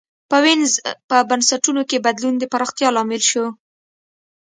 په وینز په بنسټونو کې بدلون د پراختیا لامل شو.